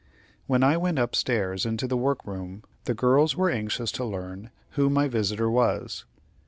When I went up stairs into the work room, the girls were anxious to learn who my visitor was.